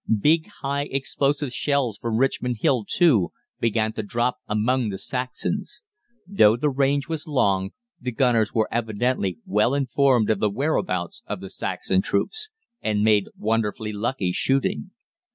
Big high explosive shells from Richmond Hill, too, began to drop among the Saxons. Though the range was long, the gunners were evidently well informed of the whereabouts of the Saxon troops and made wonderfully lucky shooting.